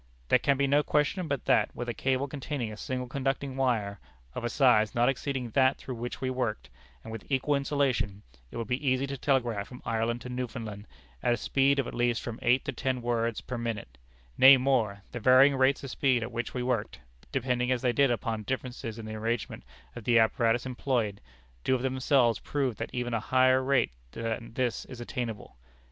"There can be no question but that, with a cable containing a single conducting wire, of a size not exceeding that through which we worked, and with equal insulation, it would be easy to telegraph from Ireland to Newfoundland at a speed of at least from eight to ten words per minute; nay, more: the varying rates of speed at which we worked, depending as they did upon differences in the arrangement of the apparatus employed, do of themselves prove that even a higher rate than this is attainable.